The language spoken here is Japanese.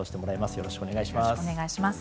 よろしくお願いします。